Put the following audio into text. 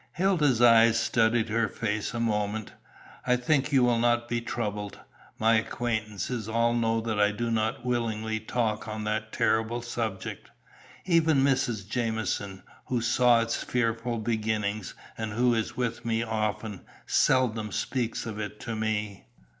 Hilda's eyes studied her face a moment. "I think you will not be troubled. My acquaintances all know that I do not willingly talk on that terrible subject. Even Mrs. Jamieson, who saw its fearful beginning and who is with me often, seldom speaks of it to me."